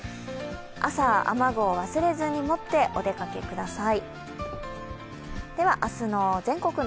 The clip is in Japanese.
朝、雨具を忘れずに持ってお出かけください。